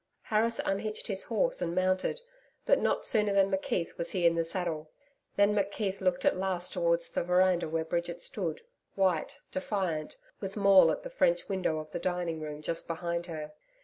Harris unhitched his horse and mounted, but not sooner than McKeith was he in the saddle. Then McKeith looked at last towards the veranda where Bridget stood, white, defiant, with Maule at the French window of the dining room just behind her.